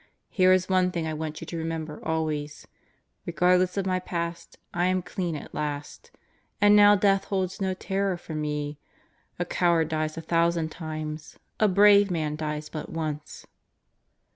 Here is one thing I want you to remember always: Regardless of my past, I am clean at last. And now Death holds no terror for me. A coward dies a thousand times; a brave man dies but once.